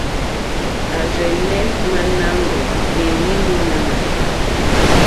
À rzɛ́nɛ̀ ŋmánà ŋɡó ǃéní múɲánà,.